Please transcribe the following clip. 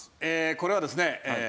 これはですね何？